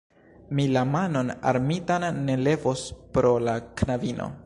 Mi la manon armitan ne levos pro la knabino.